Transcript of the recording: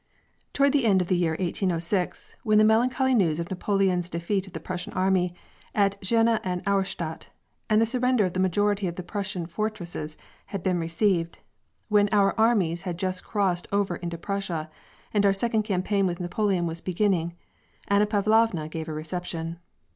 Toward the end of the year 1806, when the melancholy news of Napoleon's defeat of the Prussian army at Jena and Auer stadt and the surrender of the majority of the Prussian fort resses had been received, when our armies had iust crossed over into Prussia, and our second campaign with Napoleon was beginning, Anna Pavlovna gave a reception.